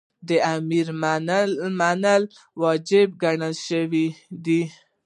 د امر منل یی واجب ګڼل سوی دی .